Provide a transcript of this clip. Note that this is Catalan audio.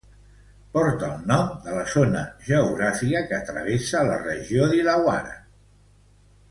Porta el nom de la zona geogràfica que travessa, la regió d'Illawarra.